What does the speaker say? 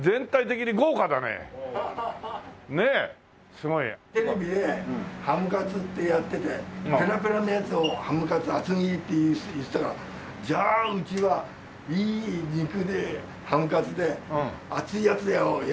すごい。テレビでハムカツってやっててペラペラのやつをハムカツ厚切りって言ってたからじゃあうちはいい肉でハムカツで厚いやつでやろうって。